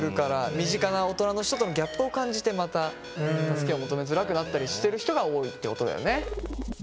身近な大人の人とのギャップを感じてまた助けを求めづらくなったりしてる人が多いってことだよね。